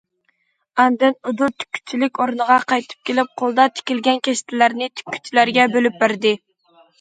ئاندىن ئۇدۇل تىككۈچىلىك ئورنىغا قايتىپ كېلىپ، قولدا تىكىلگەن كەشتىلەرنى تىككۈچىلەرگە بۆلۈپ بەردى.